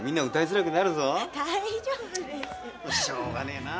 しょうがねえな。